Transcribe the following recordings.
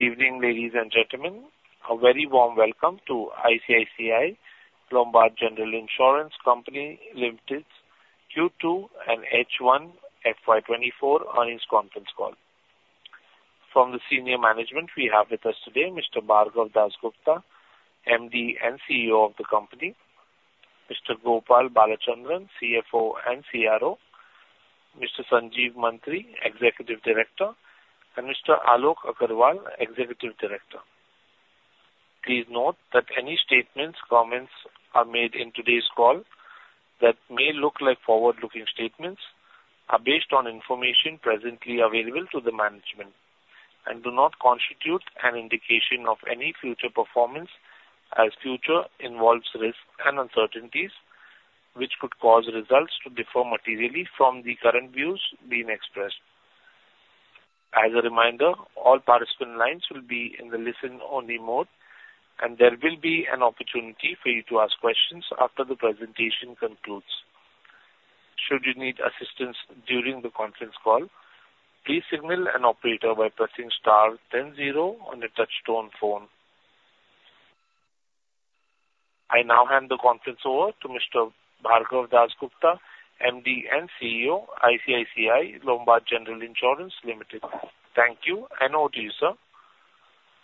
Evening, ladies and gentlemen. A very warm welcome to ICICI Lombard General Insurance Company Ltd, Q2 and H1 FY 2024 earnings conference call. From the senior management we have with us today, Mr. Bhargav Dasgupta, MD and CEO of the company, Mr. Gopal Balachandran, CFO and CRO, Mr. Sanjeev Mantri, Executive Director, and Mr. Alok Agarwal, Executive Director. Please note that any statements, comments, are made in today's call that may look like forward-looking statements, are based on information presently available to the management, and do not constitute an indication of any future performance, as future involves risks and uncertainties, which could cause results to differ materially from the current views being expressed. As a reminder, all participant lines will be in the listen-only mode, and there will be an opportunity for you to ask questions after the presentation concludes. Should you need assistance during the conference call, please signal an operator by pressing star ten zero on your touchtone phone. I now hand the conference over to Mr. Bhargav Dasgupta, MD and CEO, ICICI Lombard General Insurance Company Ltd. Thank you, and over to you, sir.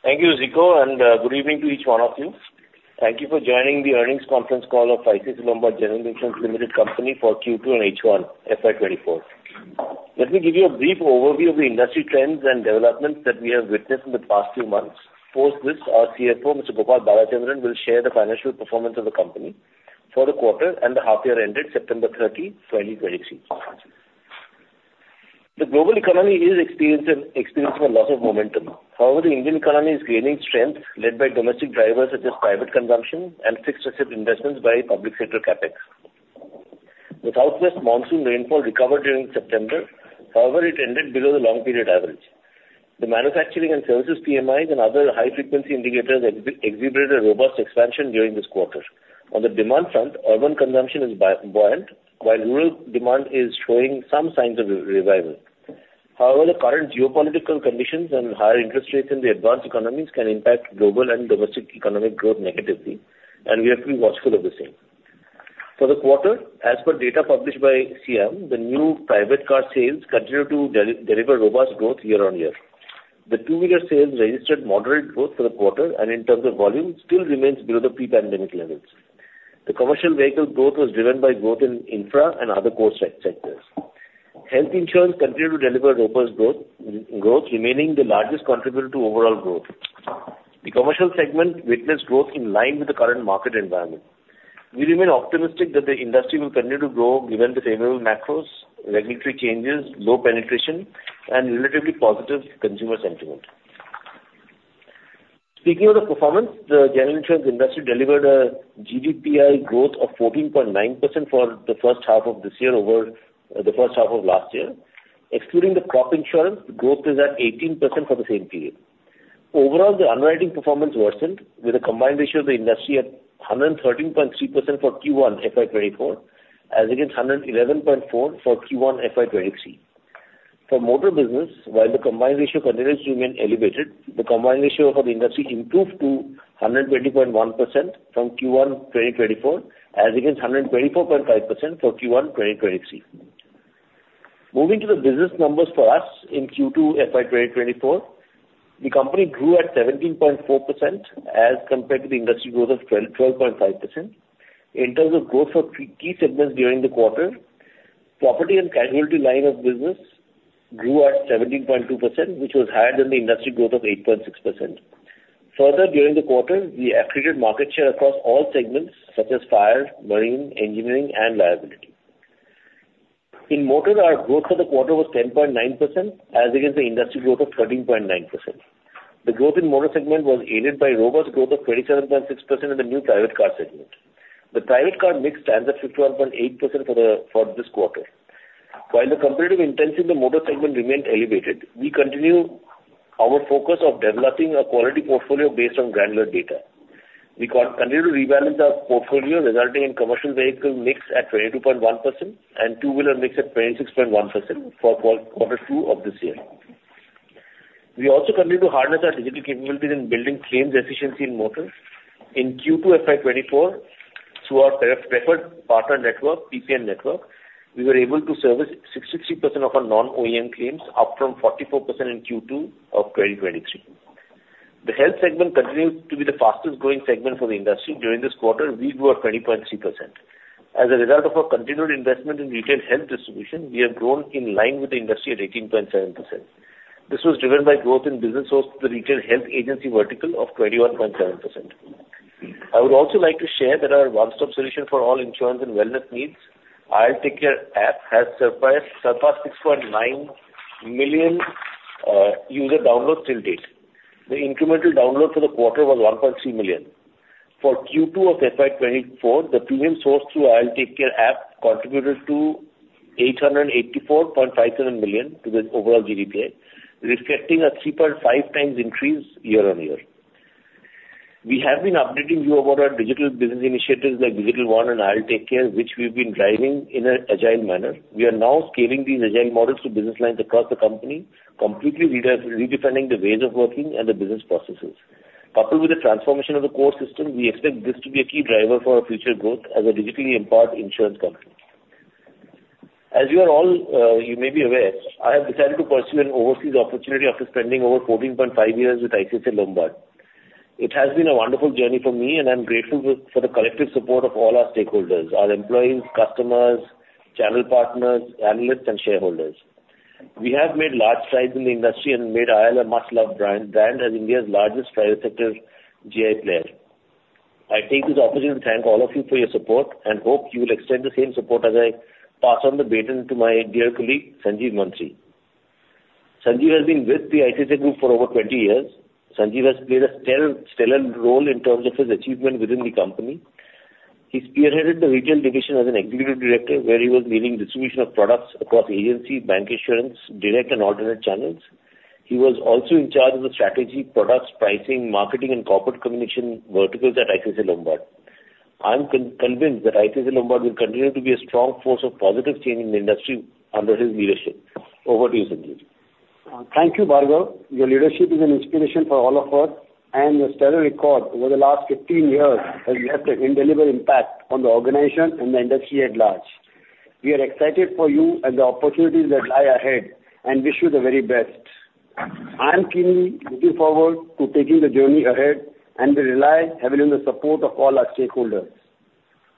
Thank you, Zico, and good evening to each one of you. Thank you for joining the Earnings Conference Call of ICICI Lombard General Insurance Company Ltd for Q2 and H1, FY 2024. Let me give you a brief overview of the industry trends and developments that we have witnessed in the past few months. Post this, our CFO, Mr. Gopal Balachandran, will share the financial performance of the company for the quarter and the half year ended September 30, 2023. The global economy is experiencing a lot of momentum. However, the Indian economy is gaining strength led by domestic drivers, such as private consumption and fixed asset investments by public sector CapEx. The Southwest monsoon rainfall recovered during September; however, it ended below the long period average. The manufacturing and services PMIs and other high-frequency indicators exhibited a robust expansion during this quarter. On the demand front, urban consumption is buoyant, while rural demand is showing some signs of revival. However, the current geopolitical conditions and higher interest rates in the advanced economies can impact global and domestic economic growth negatively, and we have to be watchful of the same. For the quarter, as per data published by SIAM, the new private car sales continued to deliver robust growth year-on-year. The two-wheeler sales registered moderate growth for the quarter, and in terms of volume, still remains below the pre-pandemic levels. The commercial vehicle growth was driven by growth in infra and other core sectors. Health insurance continued to deliver robust growth, remaining the largest contributor to overall growth. The commercial segment witnessed growth in line with the current market environment. We remain optimistic that the industry will continue to grow given the favorable macros, regulatory changes, low penetration, and relatively positive consumer sentiment. Speaking of the performance, the general insurance industry delivered a GDPI growth of 14.9% for the first half of this year over the first half of last year. Excluding the crop insurance, growth is at 18% for the same period. Overall, the underwriting performance worsened with a combined ratio of the industry at 113.3% for Q1 FY 2024, as against 111.4% for Q1 FY 2023. For Motor business, while the combined ratio continues to remain elevated, the combined ratio for the industry improved to 120.1% from Q1 2024, as against 124.5% for Q1 2023. Moving to the business numbers for us in Q2 FY 2024, the company grew at 17.4% as compared to the industry growth of 12%, 12.5%. In terms of growth for key segments during the quarter, property and casualty line of business grew at 17.2%, which was higher than the industry growth of 8.6%. Further, during the quarter, we accreted market share across all segments such as fire, marine, engineering, and liability. In Motor, our growth for the quarter was 10.9% as against the industry growth of 13.9%. The growth in Motor segment was aided by robust growth of 27.6% in the new private car segment. The private car mix stands at 15.8% for this quarter. While the competitive intensity in the Motor segment remained elevated, we continue our focus of developing a quality portfolio based on granular data. We continue to rebalance our portfolio, resulting in commercial vehicle mix at 22.1% and two-wheeler mix at 26.1% for quarter two of this year. We also continue to harness our digital capabilities in building claims efficiency in Motors. In Q2 FY 2024, through our preferred partner network, PPN network, we were able to service 63% of our non-OEM claims, up from 44% in Q2 of 2023. The Health segment continued to be the fastest growing segment for the industry. During this quarter, we grew at 20.3%. As a result of our continued investment in retail Health distribution, we have grown in line with the industry at 18.7%. This was driven by growth in business sourced to the retail Health agency vertical of 21.7%. I would also like to share that our one-stop solution for all insurance and wellness needs, IL TakeCare app, has surpassed 6.9 million user downloads till date. The incremental downloads for the quarter was 1.3 million. For Q2 of FY 2024, the premium sourced through IL TakeCare app contributed 884.57 million to the overall GDPI, reflecting a 3.5 times increase year-on-year... We have been updating you about our digital business initiatives, like Digital One and IL TakeCare, which we've been driving in an agile manner. We are now scaling these agile models to business lines across the company, completely redefining the ways of working and the business processes. Coupled with the transformation of the core system, we expect this to be a key driver for our future growth as a digitally empowered insurance company. As you are all, you may be aware, I have decided to pursue an overseas opportunity after spending over 14.5 years with ICICI Lombard. It has been a wonderful journey for me, and I'm grateful for the collective support of all our stakeholders, our employees, customers, channel partners, analysts, and shareholders. We have made large strides in the industry and made ILC a must-love brand as India's largest private sector GI player. I take this opportunity to thank all of you for your support and hope you will extend the same support as I pass on the baton to my dear colleague, Sanjeev Mantri. Sanjeev has been with the ICICI Group for over 20 years. Sanjeev has played a stellar role in terms of his achievement within the company. He spearheaded the retail division as an executive director, where he was leading distribution of products across agency, bancassurance, direct and alternate channels. He was also in charge of the strategy, products, pricing, marketing, and corporate communication verticals at ICICI Lombard. I'm convinced that ICICI Lombard will continue to be a strong force of positive change in the industry under his leadership. Over to you, Sanjeev. Thank you, Bhargav. Your leadership is an inspiration for all of us, and your stellar record over the last 15 years has left an indelible impact on the organization and the industry at large. We are excited for you and the opportunities that lie ahead and wish you the very best. I am keenly looking forward to taking the journey ahead and rely heavily on the support of all our stakeholders.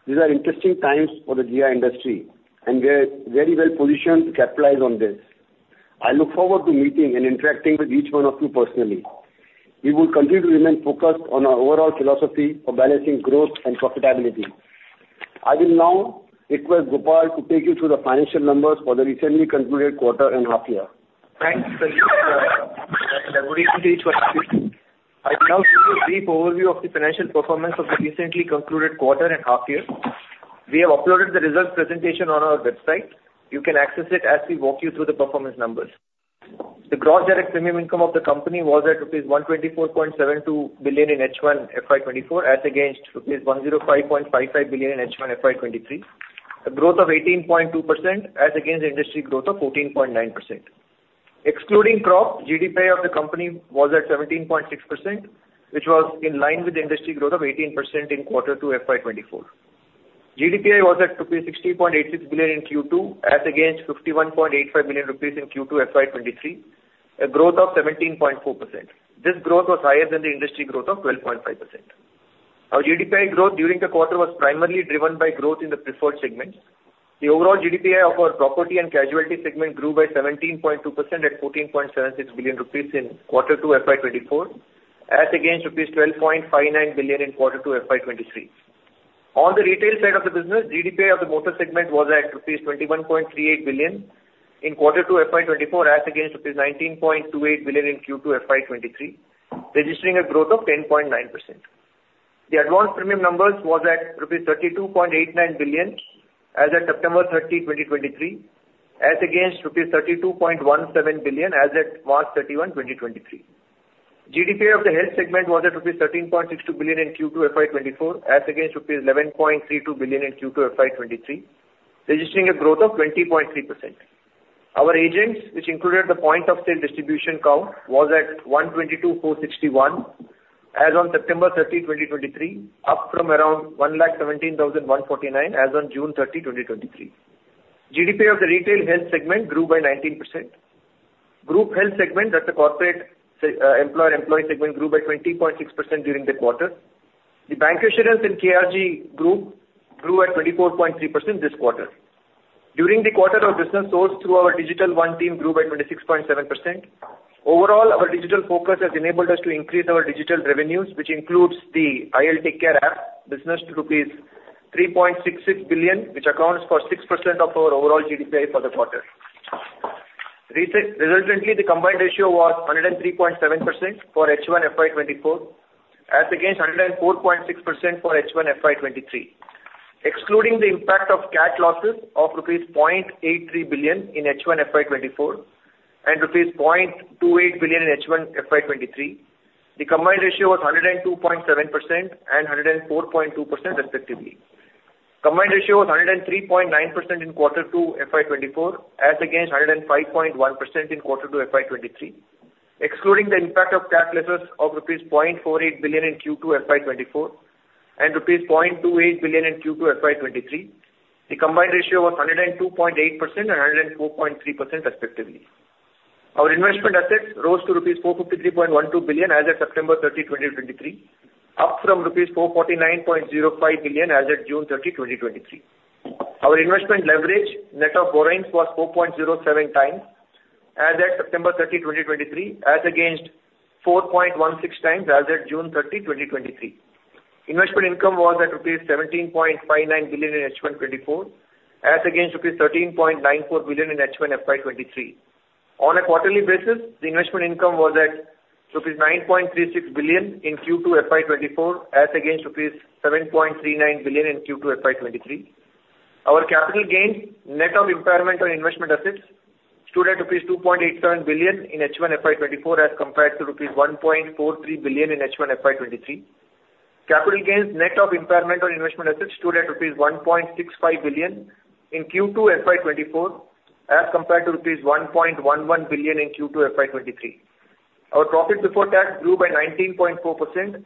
These are interesting times for the GI industry, and we are very well positioned to capitalize on this. I look forward to meeting and interacting with each one of you personally. We will continue to remain focused on our overall philosophy of balancing growth and profitability. I will now request Gopal to take you through the financial numbers for the recently concluded quarter and half year. Thanks, Sanjeev. I will now give a brief overview of the financial performance of the recently concluded quarter and half year. We have uploaded the results presentation on our website. You can access it as we walk you through the performance numbers. The gross direct premium income of the company was at rupees 124.72 billion in H1 FY 2024, as against rupees 105.55 billion in H1 FY 2023, a growth of 18.2% as against the industry growth of 14.9%. Excluding crop, GDPI of the company was at 17.6%, which was in line with the industry growth of 18% in quarter two FY 2024. GDPI was at rupees 60.86 billion in Q2, as against 51.85 billion rupees in Q2 FY 2023, a growth of 17.4%. This growth was higher than the industry growth of 12.5%. Our GDPI growth during the quarter was primarily driven by growth in the preferred segments. The overall GDPI of our property and casualty segment grew by 17.2% at 14.76 billion rupees in quarter two FY 2024, as against rupees 12.59 billion in quarter two FY 2023. On the retail side of the business, GDPI of the Motor segment was at rupees 21.38 billion in quarter two FY 2024, as against rupees 19.28 billion in Q2 FY 2023, registering a growth of 10.9%. The advanced premium numbers was at rupees 32.89 billion as of September 30, 2023, as against rupees 32.17 billion as at March 31, 2023. GDPI of the Health segment was at rupees 13.62 billion in Q2 FY 2024, as against rupees 11.32 billion in Q2 FY 2023, registering a growth of 20.3%. Our agents, which included the point of sale distribution count, was at 122,461 as on September 30, 2023, up from around 117,149 as on June 30, 2023. GDPI of the retail Health segment grew by 19%. Group Health segment at the corporate employer-employee segment grew by 20.6% during the quarter. The Bancassurance and KRG group grew at 24.3% this quarter. During the quarter, our business source through our Digital One team grew by 26.7%. Overall, our digital focus has enabled us to increase our digital revenues, which includes the IL TakeCare app business to rupees 3.66 billion, which accounts for 6% of our overall GDPI for the quarter. Resultantly, the combined ratio was 103.7% for H1 FY 2024, as against 104.6% for H1 FY 2023. Excluding the impact of cat losses of rupees 0.83 billion in H1 FY 2024 and rupees 0.28 billion in H1 FY 2023, the combined ratio was 102.7% and 104.2% respectively. Combined ratio was 103.9% in quarter two FY 2024, as against 105.1% in quarter two FY 2023. Excluding the impact of cat losses of rupees 0.48 billion in Q2 FY 2024 and rupees 0.28 billion in Q2 FY 2023, the combined ratio was 102.8% and 104.3% respectively. Our investment assets rose to rupees 453.12 billion as of September 30, 2023, up from rupees 449.05 billion as of June 30, 2023. Our investment leverage net of borrowings was 4.07 times as at September 30, 2023, as against 4.16 times as at June 30, 2023. Investment income was at rupees 17.59 billion in H1 2024, as against rupees 13.94 billion in H1 FY 2023. On a quarterly basis, the investment income was at rupees 9.36 billion in Q2 FY 2024, as against rupees 7.39 billion in Q2 FY 2023. Our capital gains net of impairment on investment assets stood at 2.87 billion rupees in H1 FY 2024 as compared to rupees 1.43 billion in H1 FY 2023. Capital gains net of impairment on investment assets stood at rupees 1.65 billion in Q2 FY 2024 as compared to rupees 1.11 billion in Q2 FY 2023. Our profit before tax grew by 19.4%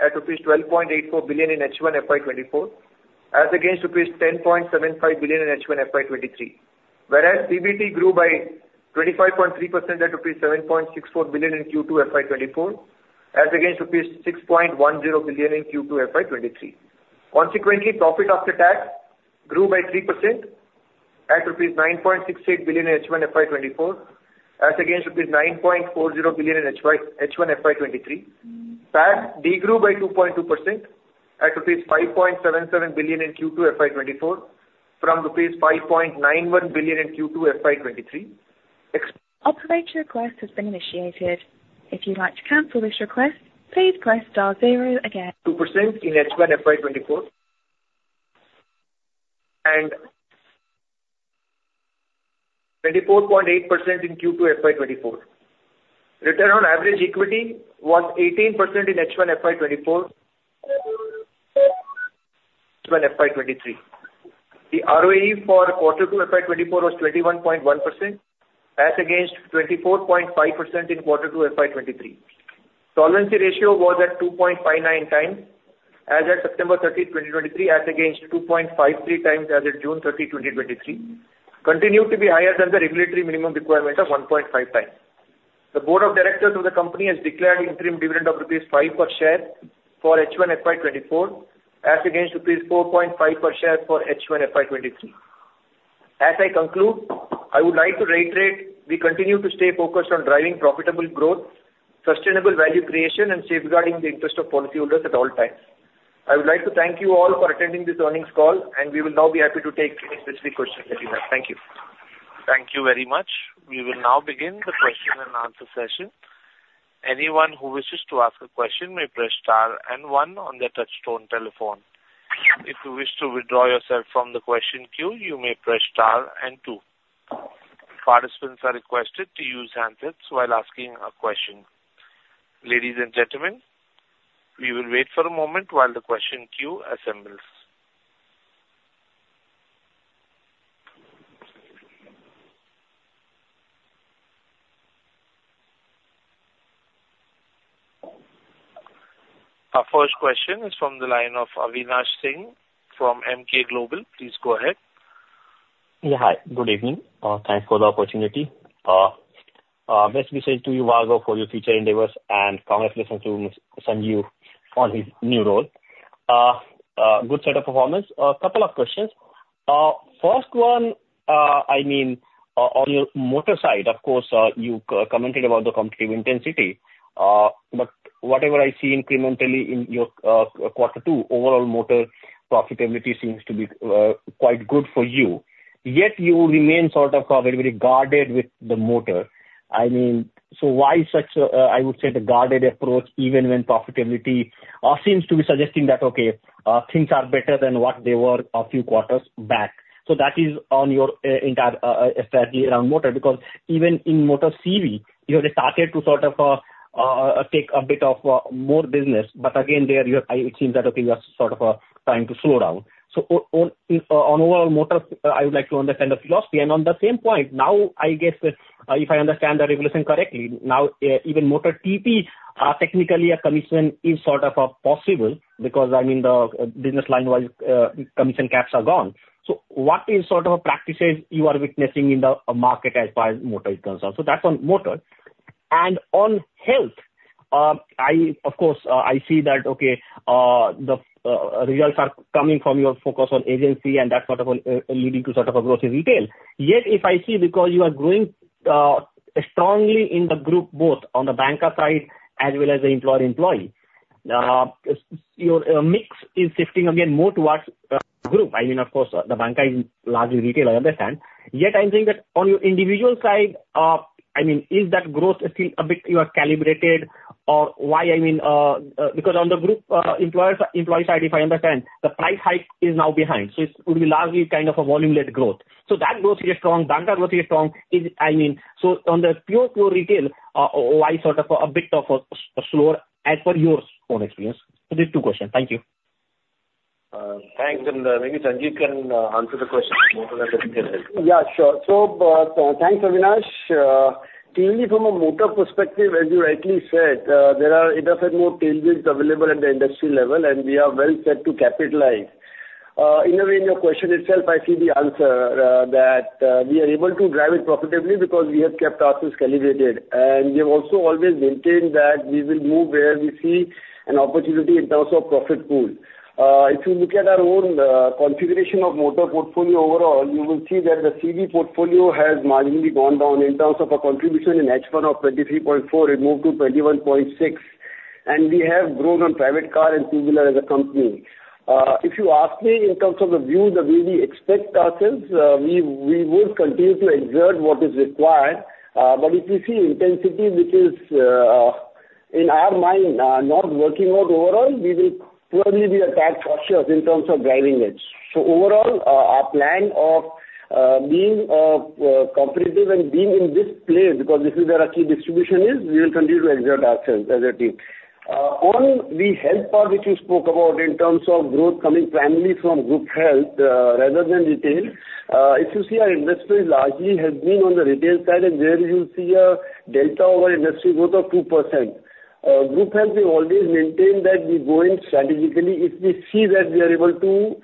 at rupees 12.84 billion in H1 FY 2024, as against rupees 10.75 billion in H1 FY 2023. Whereas PBT grew by 25.3% at 7.64 billion in Q2 FY 2024, as against rupees 6.10 billion in Q2 FY 2023. Consequently, profit after tax grew by 3% at rupees 9.68 billion in H1 FY 2024, as against INR 9.40 billion in H1 FY 2023. PAT degrew by 2.2% at rupees 5.77 billion in Q2 FY 2024 from INR 5.91 billion in Q2 FY 2023. Operator request has been initiated. If you'd like to cancel this request, please press star zero again. 2% in H1 FY 2024, and 24.8% in Q2 FY 2024. Return on average equity was 18% in H1 FY 2024 FY 2023. The ROE for quarter two FY 2024 was 21.1% as against 24.5% in quarter two FY 2023. Solvency ratio was at 2.59 times as at September 30, 2023, as against 2.53 times as at June 30, 2023, continued to be higher than the regulatory minimum requirement of 1.5 times. The board of directors of the company has declared interim dividend of rupees 5 per share for H1 FY 2024, as against rupees 4.5 per share for H1 FY 2023. As I conclude, I would like to reiterate, we continue to stay focused on driving profitable growth, sustainable value creation and safeguarding the interest of policyholders at all times. I would like to thank you all for attending this earnings call, and we will now be happy to take any specific questions that you have. Thank you. Thank you very much. We will now begin the question and answer session. Anyone who wishes to ask a question may press star and one on their touchtone telephone. If you wish to withdraw yourself from the question queue, you may press star and two. Participants are requested to use handsets while asking a question. Ladies and gentlemen, we will wait for a moment while the question queue assembles. Our first question is from the line of Avinash Singh from Emkay Global. Please go ahead. Yeah. Hi, good evening, thanks for the opportunity. Best wishes to you, Bhargav, for your future endeavors and congratulations to Sanjeev on his new role. Good set of performance. A couple of questions. First one, I mean, on your Motor side, of course, you commented about the competitive intensity, but whatever I see incrementally in your quarter two, overall Motor profitability seems to be quite good for you. Yet you remain sort of very, very guarded with the Motor. I mean, so why such, I would say the guarded approach, even when profitability seems to be suggesting that, okay, things are better than what they were a few quarters back? So that is on your entire strategy around Motor, because even in Motor CV, you have started to sort of take a bit of more business, but again, there you are, it seems that, okay, you are sort of trying to slow down. So on overall Motor, I would like to understand the philosophy. And on the same point, now, I guess, if I understand the regulation correctly, now, even Motor TPs are technically a commission is sort of possible because, I mean, the business line-wise, commission caps are gone. So what is sort of practices you are witnessing in the market as far as Motor is concerned? So that's on Motor. And on Health, I, of course, I see that, okay, the results are coming from your focus on agency and that sort of, leading to sort of a growth in retail. Yet, if I see, because you are growing, strongly in the group, both on the Banca side as well as the employed employee, your mix is shifting again, more towards, group. I mean, of course, the Banca is largely retail, I understand. Yet I'm thinking that on your individual side, I mean, is that growth still a bit you are calibrated or why, I mean, because on the group, employers, employee side, if I understand, the price hike is now behind, so it would be largely kind of a volume-led growth. So that growth is strong, Banca growth is strong. I mean, so on the pure, pure retail, why sort of a bit of a slower as per your own experience? So these two questions. Thank you. Thanks. Maybe Sanjeev can answer the question on Motor and then we can... Yeah, sure. So, thanks, Avinash. Clearly, from a Motor perspective, as you rightly said, there are enough and more tailwinds available at the industry level, and we are well set to capitalize. In a way, in your question itself, I see the answer, that we are able to drive it profitably because we have kept ourselves calibrated. And we have also always maintained that we will move where we see an opportunity in terms of profit pool. If you look at our own configuration of Motor portfolio overall, you will see that the CV portfolio has marginally gone down in terms of a contribution in H1 of 23.4, it moved to 21.6, and we have grown on private car and two-wheeler as a company. If you ask me in terms of the view, the way we expect ourselves, we will continue to exert what is required. But if you see intensity, which is in our mind, not working out overall, we will probably be a tad cautious in terms of driving it. So overall, our plan of being competitive and being in this place, because this is where our key distribution is, we will continue to exert ourselves as a team. On the Health part, which you spoke about in terms of growth coming primarily from group Health, rather than retail, if you see our industry largely has been on the retail side, and there you see a delta over industry growth of 2%. Group Health, we always maintain that we go in strategically. If we see that we are able to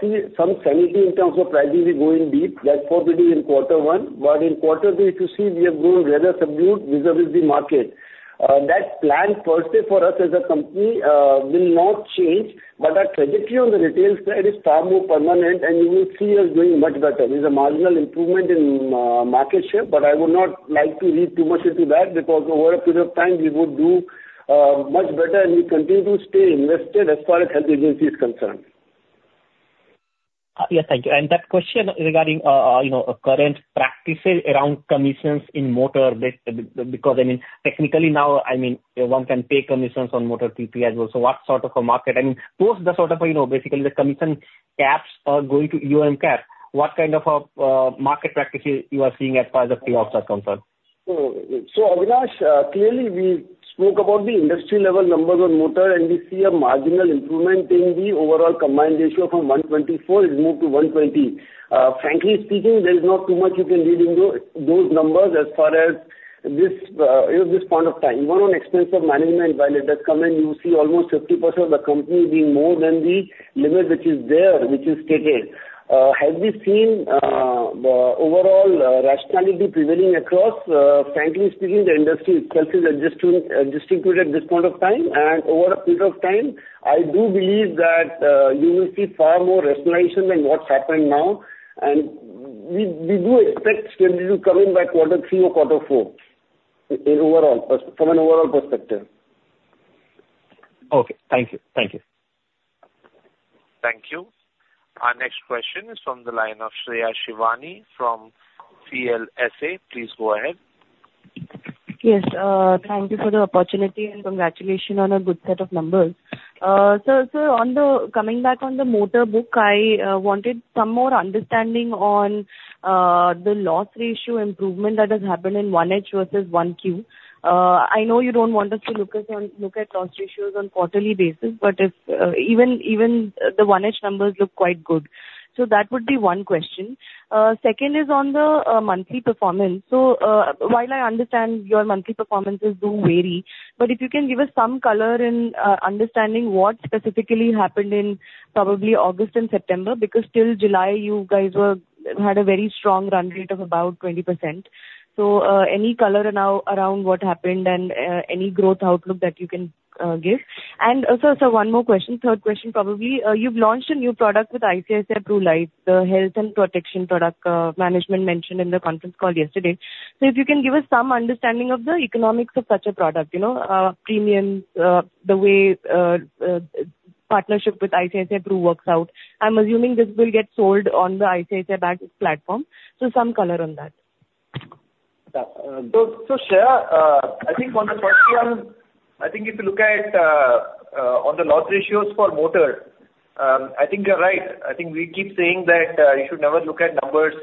see some sanity in terms of pricing, we go in deep, like what we did in quarter one. But in quarter two, if you see, we have grown rather subdued vis-à-vis the market. That plan per se, for us as a company, will not change, but our trajectory on the retail side is far more permanent, and you will see us doing much better. There's a marginal improvement in market share, but I would not like to read too much into that, because over a period of time, we would do much better and we continue to stay invested as far as Health agency is concerned. Yes, thank you. And that question regarding, you know, current practices around commissions in Motor bancassurance because, I mean, technically now, I mean, one can pay commissions on Motor TP as well. So what sort of a market, I mean, post the sort of, you know, basically the commission caps are going to a cap, what kind of market practices you are seeing as far as the payoffs are concerned? So, Avinash, clearly we spoke about the industry level numbers on Motor, and we see a marginal improvement in the overall combined ratio from 124, it moved to 120. Frankly speaking, there is not too much you can read into those numbers as far as this, you know, this point of time. Even on expense of management, while it does come in, you see almost 50% of the company being more than the limit which is there, which is stated. Have we seen the overall rationality prevailing across? Frankly speaking, the industry itself is adjusting, distributed at this point of time. And over a period of time, I do believe that you will see far more rationalization than what's happened now. We do expect stability to come in by quarter three or quarter four, from an overall perspective. Okay. Thank you. Thank you. Thank you. Our next question is from the line of Shreya Shivani from CLSA. Please go ahead. Yes, thank you for the opportunity, and congratulations on a good set of numbers. So, sir, on the coming back on the Motor book, I wanted some more understanding on the loss ratio improvement that has happened in 1H versus 1Q. I know you don't want us to look at loss ratios on quarterly basis, but if even, even the 1H numbers look quite good. So that would be one question. Second is on the monthly performance. So, while I understand your monthly performances do vary, but if you can give us some color in understanding what specifically happened in probably August and September, because till July, you guys had a very strong run rate of about 20%. So, any color now around what happened and, any growth outlook that you can, give? And also, sir, one more question, third question probably. You've launched a new product with ICICI Pru Life, the Health and protection product, management mentioned in the conference call yesterday. So if you can give us some understanding of the economics of such a product, you know, premiums, the way, partnership with ICICI Pru works out. I'm assuming this will get sold on the ICICI Bank platform, so some color on that. Yeah. So, Shreya, I think on the first one, I think if you look at on the loss ratios for Motor, I think you're right. I think we keep saying that you should never look at numbers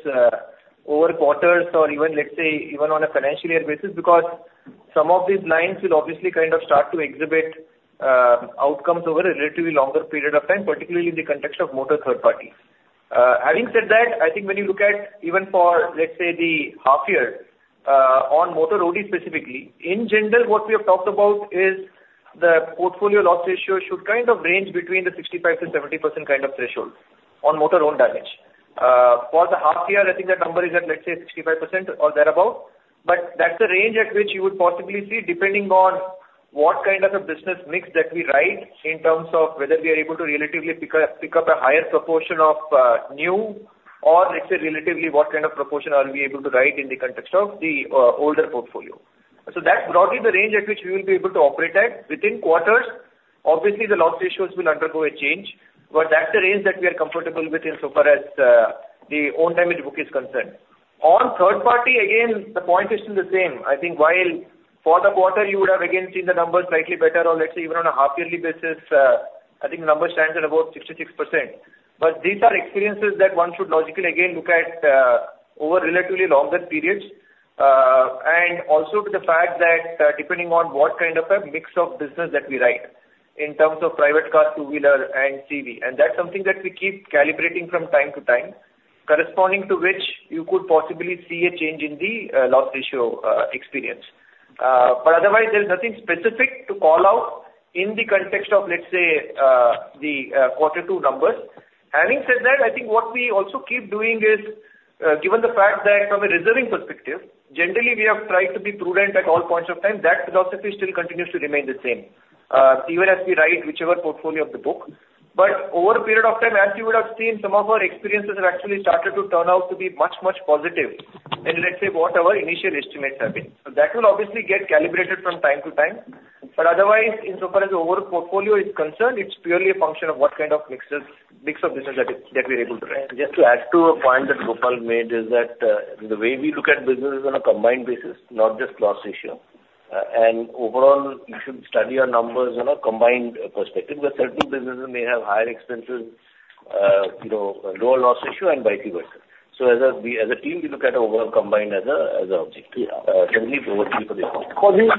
over quarters or even, let's say, even on a financial year basis, because some of these lines will obviously kind of start to exhibit outcomes over a relatively longer period of time, particularly in the context of Motor third party. Having said that, I think when you look at even for, let's say, the half year, on Motor OD specifically, in general what we have talked about is the portfolio loss ratio should kind of range between the 65%-70% kind of threshold on Motor own damage. For the half year, I think that number is at, let's say, 65% or thereabout, but that's the range at which you would possibly see, depending on what kind of a business mix that we write in terms of whether we are able to relatively pick up, pick up a higher proportion of, new or let's say, relatively, what kind of proportion are we able to write in the context of the, older portfolio. So that's broadly the range at which we will be able to operate at. Within quarters, obviously, the loss ratios will undergo a change, but that's the range that we are comfortable with insofar as, the own damage book is concerned. On third party, again, the point is still the same. I think while for the quarter you would have again seen the numbers slightly better or let's say even on a half yearly basis, I think the number stands at about 66%. But these are experiences that one should logically again look at, over relatively longer periods, and also to the fact that, depending on what kind of a mix of business that we write in terms of private car, two-wheeler and CV. And that's something that we keep calibrating from time to time, corresponding to which you could possibly see a change in the, loss ratio, experience. But otherwise, there's nothing specific to call out in the context of, let's say, the, quarter two numbers. Having said that, I think what we also keep doing is, given the fact that from a reserving perspective, generally we have tried to be prudent at all points of time. That philosophy still continues to remain the same, even as we write whichever portfolio of the book. But over a period of time, as you would have seen, some of our experiences have actually started to turn out to be much, much positive than let's say, what our initial estimates have been. So that will obviously get calibrated from time to time. But otherwise, insofar as the overall portfolio is concerned, it's purely a function of what kind of mix of business that is, that we're able to write. Just to add to a point that Gopal made, that the way we look at business is on a combined basis, not just loss ratio. And overall, you should study our numbers on a combined perspective, because certain businesses may have higher expenses, you know, lower loss ratio and vice versa. So, as a team, we look at overall combined as an objective, certainly a priority for this call. For these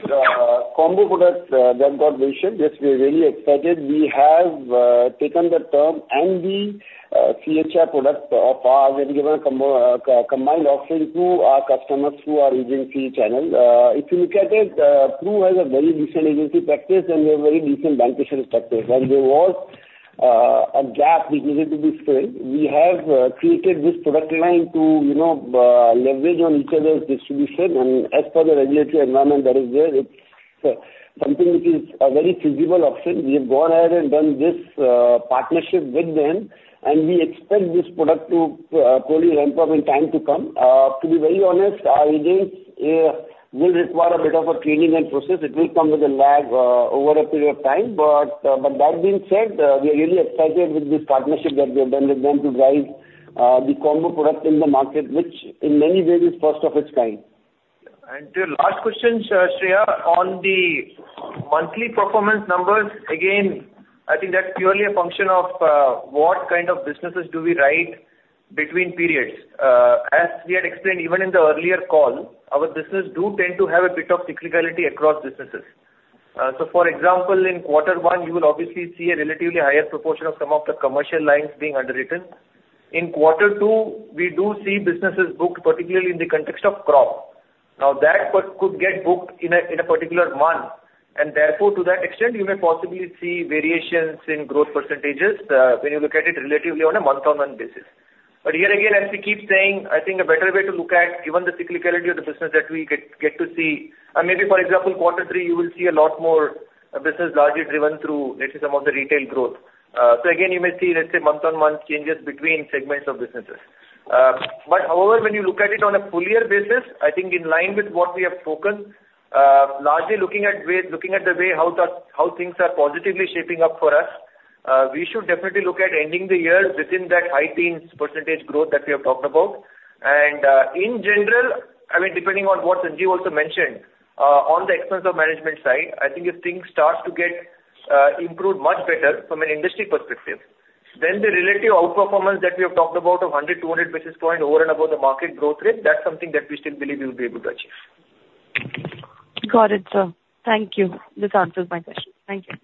combo products that got mentioned, yes, we are very excited. We have taken the term and the CHI product of ours and given a combined offering to our customers through our agency channel. If you look at it, Pru has a very decent agency practice and we have very decent bancassurance practice, and there was a gap which needed to be filled. We have created this product line to, you know, leverage on each other's distribution. As per the regulatory environment that is there, it's something which is a very feasible option. We have gone ahead and done this partnership with them, and we expect this product to fully ramp up in time to come. To be very honest, our agents will require a bit of a training and process. It will come with a lag over a period of time, but that being said, we are really excited with this partnership that we have done with them to drive the combo product in the market, which in many ways is first of its kind. The last question, Shreya, on the monthly performance numbers, again, I think that's purely a function of what kind of businesses do we write between periods. As we had explained even in the earlier call, our business do tend to have a bit of cyclicality across businesses. For example, in quarter one, you will obviously see a relatively higher proportion of some of the commercial lines being underwritten. In quarter two, we do see businesses booked, particularly in the context of crop. Now, that could get booked in a particular month, and therefore, to that extent, you may possibly see variations in growth percentages, when you look at it relatively on a month-on-month basis. But here again, as we keep saying, I think a better way to look at, given the cyclicality of the business that we get to see, and maybe, for example, quarter three, you will see a lot more business largely driven through, let's say, some of the retail growth. So again, you may see, let's say, month-on-month changes between segments of businesses. But however, when you look at it on a full year basis, I think in line with what we have spoken, largely looking at the way how things are positively shaping up for us, we should definitely look at ending the year within that high teens percentage growth that we have talked about. In general, I mean, depending on what Sanjeev also mentioned, on the expense of management side, I think if things start to get improved much better from an industry perspective, then the relative outperformance that we have talked about of 100, 200 basis point over and above the market growth rate, that's something that we still believe we will be able to achieve. Got it, sir. Thank you. This answers my question. Thank you.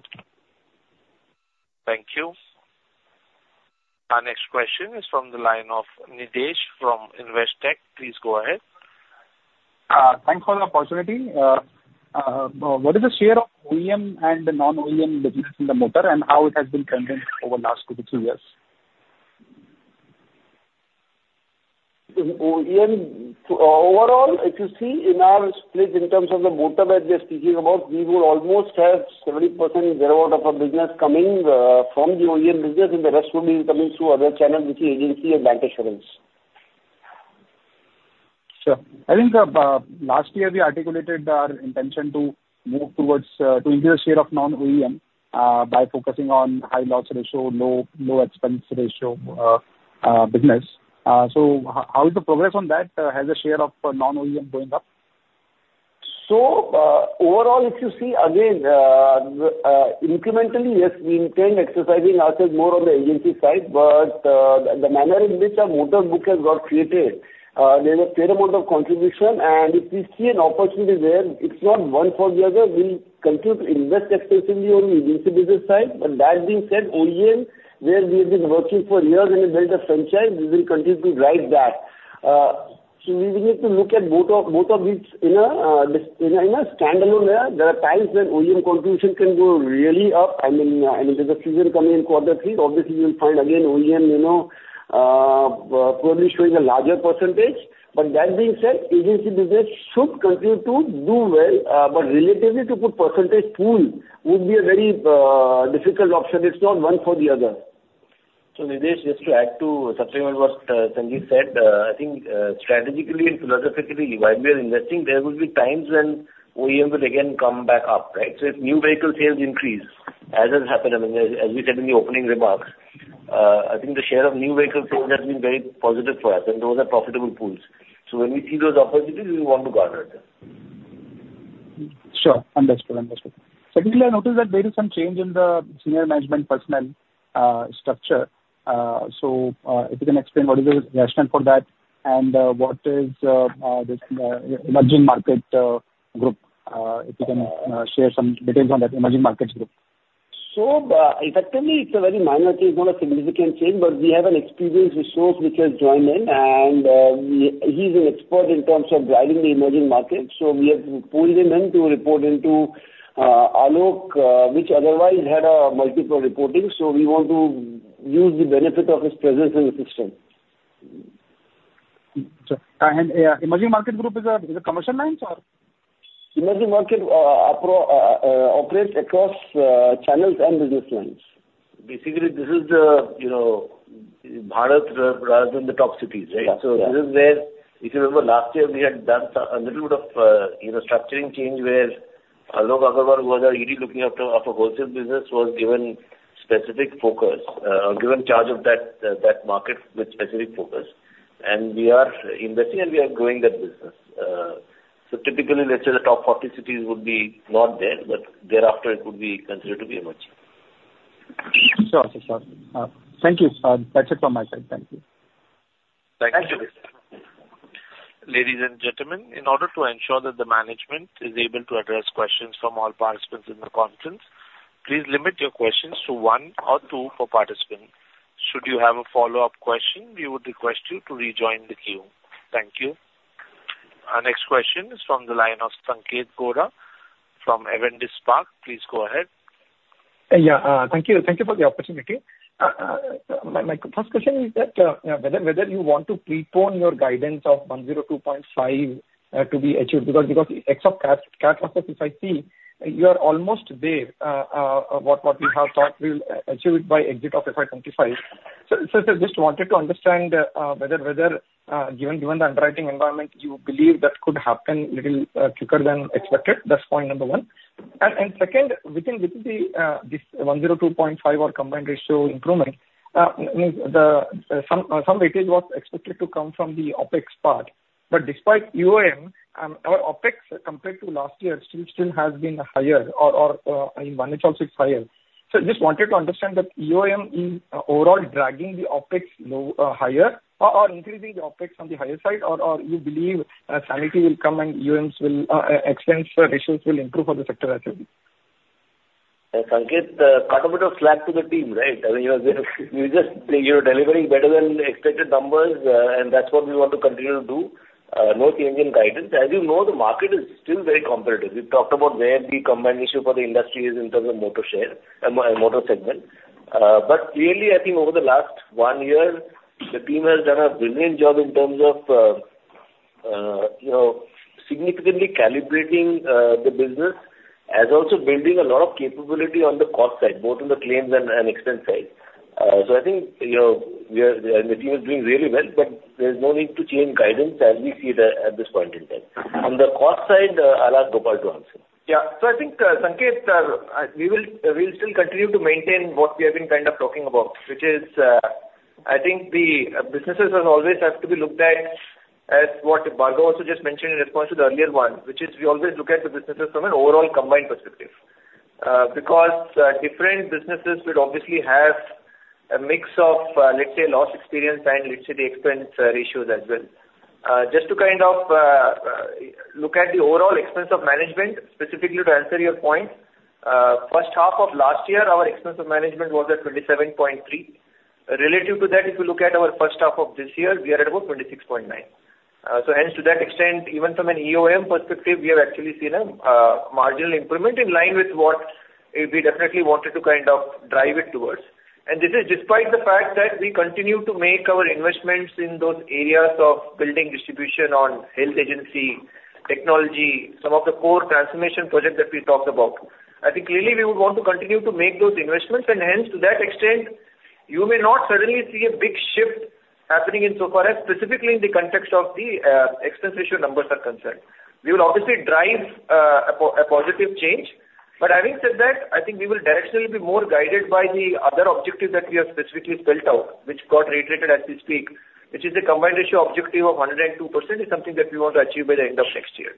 Thank you. Our next question is from the line of Nidhesh from Investec. Please go ahead. Thanks for the opportunity. What is the share of OEM and the non-OEM business in the Motor and how it has been trending over the last two to three years? In OEM, so overall, if you see in our split in terms of the Motor that we are speaking about, we would almost have 70% thereof of our business coming from the OEM business, and the rest would be coming through other channels, which is agency and bancassurance. Sure. I think, last year we articulated our intention to move towards, to increase the share of non-OEM, by focusing on high loss ratio, low expense ratio, business. So how is the progress on that? Has the share of non-OEM going up? So, overall, if you see again, incrementally, yes, we intend exercising ourselves more on the agency side, but, the manner in which our Motor book has got created, there's a fair amount of contribution, and if we see an opportunity there, it's not one for the other. We'll continue to invest extensively on the agency business side. But that being said, OEM, where we have been working for years and we built a franchise, we will continue to write that. So we will need to look at both of, both of which in a standalone way. There are times when OEM contribution can go really up, and then, and there's a season coming in quarter three, obviously you'll find again, OEM, you know, probably showing a larger percentage. But that being said, agency business should continue to do well, but relatively, to put percentage pool would be a very difficult option. It's not one for the other. So Nidesh, just to add to something on what Sanjeev said, I think strategically and philosophically, while we are investing, there will be times when OEM will again come back up, right? So if new vehicle sales increase, as has happened, I mean, as we said in the opening remarks, I think the share of new vehicle sales has been very positive for us, and those are profitable pools. So when we see those opportunities, we want to garner it. Sure. Understandable. Understandable. Secondly, I noticed that there is some change in the senior management personnel structure. So, if you can explain what is the rationale for that, and what is this emerging market group? If you can share some details on that emerging markets group. So, effectively, it's a very minor change, not a significant change, but we have an experienced resource which has joined in, and he's an expert in terms of driving the emerging markets. So we have pulled him in to report into Alok, which otherwise had a multiple reporting. So we want to use the benefit of his presence in the system. Emerging market group is a commercial line or? Emerging market operates across channels and business lines. Basically, this is the, you know, Bharat rather than the top cities, right? Yeah. So this is where, if you remember last year, we had done some, a little bit of, you know, structuring change, where Alok Agarwal, who was our ED looking after of our wholesale business, was given specific focus, given charge of that, that market with specific focus. And we are investing, and we are growing that business. So typically, let's say the top 40 cities would be not there, but thereafter it would be considered to be emerging. Sure, sure, sure. Thank you. That's it from my side. Thank you. Thank you. Ladies and gentlemen, in order to ensure that the management is able to address questions from all participants in the conference, please limit your questions to one or two per participant. Should you have a follow-up question, we would request you to rejoin the queue. Thank you. Our next question is from the line of Sanketh Godha from Avendus Spark. Please go ahead. Yeah, thank you. Thank you for the opportunity. My first question is whether you want to prepone your guidance of 102.5 to be achieved, because ex-cat losses, if I see, you are almost there, what we have thought we will achieve by exit of FY 2025. So just wanted to understand, whether, given the underwriting environment, you believe that could happen little quicker than expected? That's point number one. Second, within this 102.5 or combined ratio improvement, some retail was expected to come from the OpEx part. But despite EOM and our OpEx compared to last year, still has been higher or in 18.46 higher. Just wanted to understand that EOM is overall dragging the OpEx low higher or increasing the OpEx on the higher side, or you believe sanity will come and EOMs will, expense ratios will improve for the sector as well? Sanketh, cut a bit of slack to the team, right? I mean, you are just, you are delivering better than expected numbers, and that's what we want to continue to do. No change in guidance. As you know, the market is still very competitive. We talked about where the combined ratio for the industry is in terms of Motor share and Motor segment. But clearly, I think over the last one year, the team has done a brilliant job in terms of, you know, significantly calibrating the business, and also building a lot of capability on the cost side, both on the claims and expense side. So I think, you know, we are, the team is doing really well, but there's no need to change guidance as we see it at this point in time. On the cost side, I'll ask Gopal to answer. Yeah. So I think, Sanketh, we will, we'll still continue to maintain what we have been kind of talking about, which is, I think the businesses as always have to be looked at as what Bhargav also just mentioned in response to the earlier one, which is we always look at the businesses from an overall combined perspective. Because, different businesses would obviously have a mix of, let's say, loss experience and let's say the expense ratios as well. Just to kind of, look at the overall expense of management, specifically to answer your point, first half of last year, our expense of management was at 27.3. Relative to that, if you look at our first half of this year, we are at about 26.9. So hence, to that extent, even from an EOM perspective, we have actually seen a marginal improvement in line with what we definitely wanted to kind of drive it towards. And this is despite the fact that we continue to make our investments in those areas of building distribution on health agency, technology, some of the core transformation projects that we talked about. I think clearly we would want to continue to make those investments, and hence, to that extent, you may not suddenly see a big shift happening in so far as specifically in the context of the expense ratio numbers are concerned. We will obviously drive a positive change. But having said that, I think we will directionally be more guided by the other objectives that we have specifically spelled out, which got reiterated as we speak, which is the combined ratio objective of 102% is something that we want to achieve by the end of next year.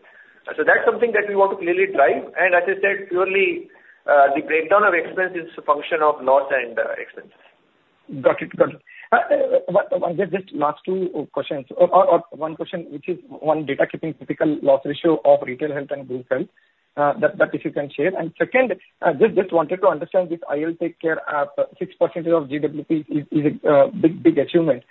So that's something that we want to clearly drive, and as I said, purely, the breakdown of expense is a function of loss and, expenses. Got it, got it. Just last two questions or one question, which is on data keeping, typical loss ratio of retail Health and group Health, if you can share. And second, wanted to understand this IL TakeCare app, 6% of GWP is a big achievement.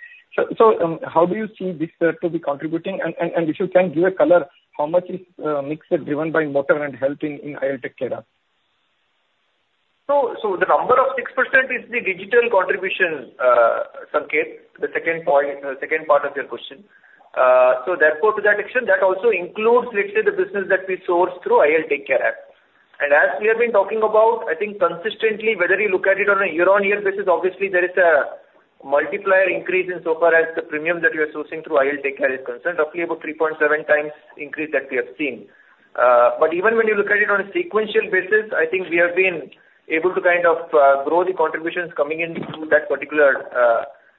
So, how do you see this to be contributing? And if you can give a color, how much is mix given by Motor and Health in IL TakeCare app? So, the number of 6% is the digital contribution, Sanketh, the second point, second part of your question. So therefore, to that extent, that also includes literally the business that we source through IL TakeCare app. And as we have been talking about, I think consistently, whether you look at it on a year-over-year basis, obviously there is a multiplier increase in so far as the premium that we are sourcing through IL TakeCare is concerned, roughly about 3.7 times increase that we have seen. But even when you look at it on a sequential basis, I think we have been able to kind of grow the contributions coming in through that particular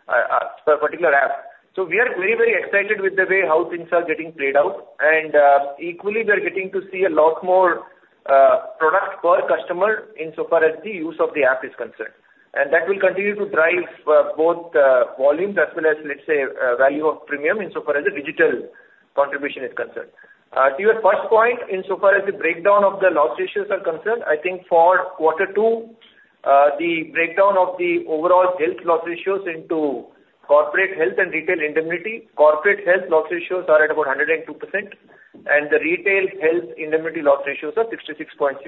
app. So we are very, very excited with the way how things are getting played out, and, equally, we are getting to see a lot more, product per customer in so far as the use of the app is concerned. And that will continue to drive, both, volumes as well as, let's say, value of premium in so far as the digital contribution is concerned. To your first point, in so far as the breakdown of the loss ratios are concerned, I think for quarter two, the breakdown of the overall Health loss ratios into corporate Health and retail indemnity, corporate Health loss ratios are at about 102%, and the retail Health indemnity loss ratios are 66.6%.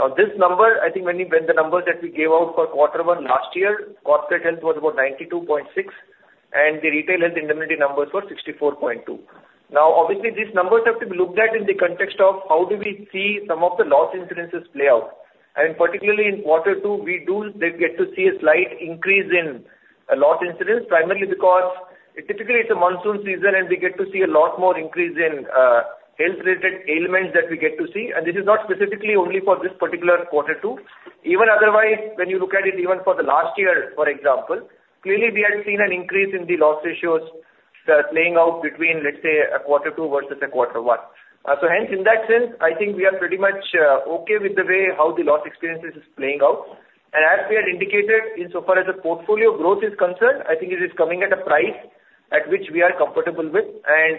Now, this number, I think when the numbers that we gave out for quarter one last year, corporate Health was about 92.6%, and the retail Health indemnity numbers were 64.2%. Now, obviously, these numbers have to be looked at in the context of how do we see some of the loss incidences play out. And particularly in quarter two, we do get to see a slight increase in loss incidents, primarily because typically it's a monsoon season, and we get to see a lot more increase in Health-related ailments that we get to see. And this is not specifically only for this particular quarter two. Even otherwise, when you look at it even for the last year, for example, clearly we had seen an increase in the loss ratios playing out between, let's say, a quarter two versus a quarter one. So hence, in that sense, I think we are pretty much okay with the way how the loss experiences is playing out. And as we had indicated, insofar as the portfolio growth is concerned, I think it is coming at a price at which we are comfortable with. And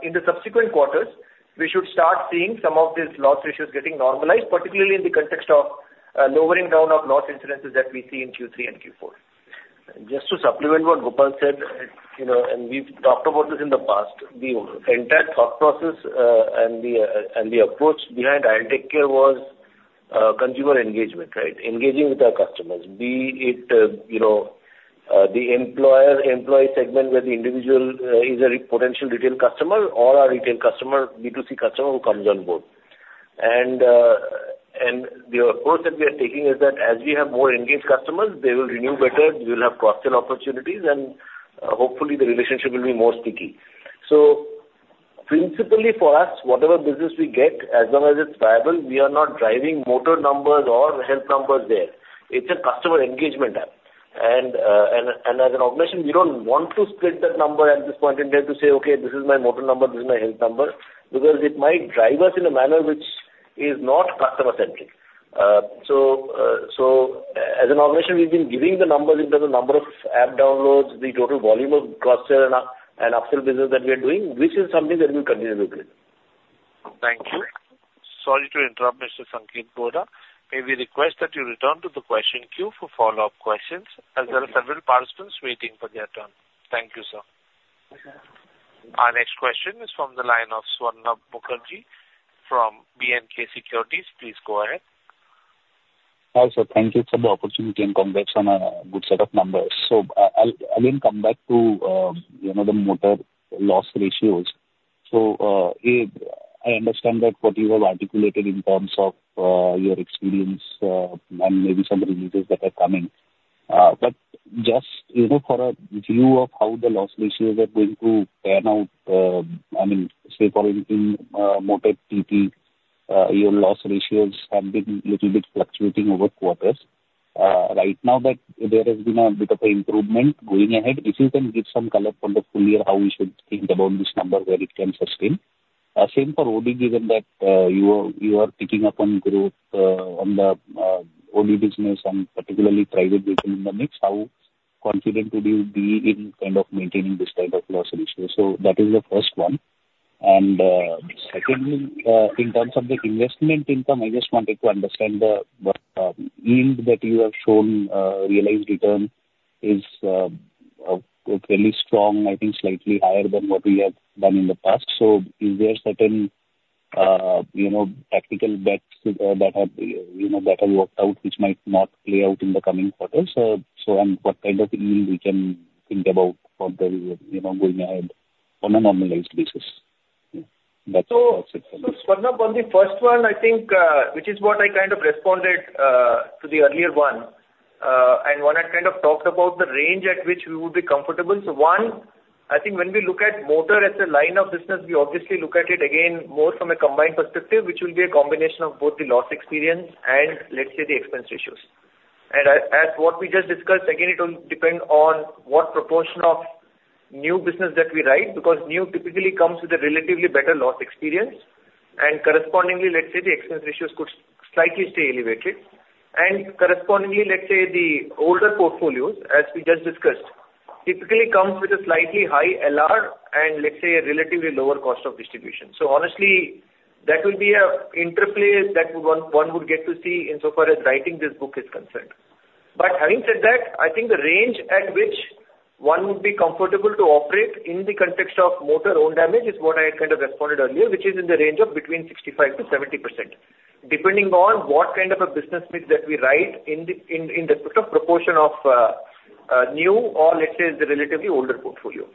in the subsequent quarters, we should start seeing some of these loss ratios getting normalized, particularly in the context of lowering down of loss incidences that we see in Q3 and Q4. Just to supplement what Gopal said, you know, and we've talked about this in the past, the entire thought process and the approach behind IL TakeCare was consumer engagement, right? Engaging with our customers. Be it, you know, the employer-employee segment, where the individual is a potential retail customer or a retail customer, B2C customer who comes on board. And the approach that we are taking is that as we have more engaged customers, they will renew better, we will have cross-sell opportunities and, hopefully, the relationship will be more sticky. So principally for us, whatever business we get, as long as it's viable, we are not driving Motor numbers or Health numbers there. It's a customer engagement app. As an organization, we don't want to split that number at this point in time to say, "Okay, this is my Motor number, this is my Health number," because it might drive us in a manner which is not customer-centric. As an organization, we've been giving the numbers in terms of number of app downloads, the total volume of cross-sell and upsell business that we are doing, which is something that will continue to do. Thank you. Sorry to interrupt, Mr. Sanketh Godha. May we request that you return to the question queue for follow-up questions, as there are several participants waiting for their turn. Thank you, sir. Our next question is from the line of Swarnabha Mukherjee from B&K Securities. Please go ahead. Hi, sir. Thank you for the opportunity, and congrats on a good set of numbers. So I'll again come back to, you know, the Motor loss ratios. So, I understand that what you have articulated in terms of, your experience, and maybe some reviews that are coming. But just, you know, for a view of how the loss ratios are going to pan out, I mean, say, for instance, Motor TP, your loss ratios have been little bit fluctuating over quarters. Right now, that there has been a bit of a improvement going ahead. If you can give some color on the full year, how we should think about this number, where it can sustain? Same for OD, given that you are picking up on growth on the OD business and particularly private business in the mix, how confident would you be in kind of maintaining this type of loss ratio? So that is the first one. Secondly, in terms of the investment income, I just wanted to understand the what yield that you have shown, realized return is really strong, I think slightly higher than what we have done in the past. So is there certain you know tactical bets that have you know that have worked out, which might not play out in the coming quarters? So, what kind of yield we can think about for the you know going ahead on a normalized basis? That's all. So, Swarnab, on the first one, I think, which is what I kind of responded to the earlier one, and what I kind of talked about the range at which we would be comfortable. So one, I think when we look at Motor as a line of business, we obviously look at it again, more from a combined perspective, which will be a combination of both the loss experience and let's say, the expense ratios. And as what we just discussed, again, it will depend on what proportion of new business that we write, because new typically comes with a relatively better loss experience. And correspondingly, let's say the expense ratios could slightly stay elevated. And correspondingly, let's say the older portfolios, as we just discussed, typically comes with a slightly high LR and let's say a relatively lower cost of distribution. So honestly, that will be an interplay that one would get to see insofar as writing this book is concerned. But having said that, I think the range at which one would be comfortable to operate in the context of Motor own damage is what I had kind of responded earlier, which is in the range of between 65%-70%, depending on what kind of a business mix that we write in the sort of proportion of new or let's say, the relatively older portfolio.